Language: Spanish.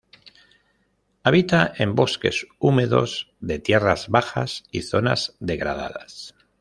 Habita en bosques húmedos de tierras bajas y zonas degradadas.